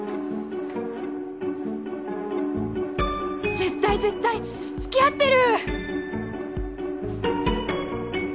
絶対絶対つきあってる！